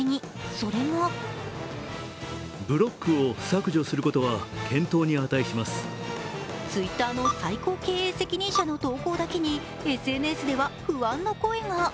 それはＴｗｉｔｔｅｒの最高経営責任者の投稿だけにＳＮＳでは不安の声が。